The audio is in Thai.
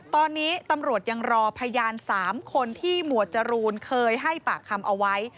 ตอนนี้ตำรวจยังรอพยาน๓คนที่หมวดจรูนเคยให้ปากคำเอาไว้